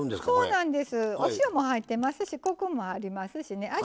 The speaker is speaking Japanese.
そうなんですお塩も入ってますしコクもありますしね。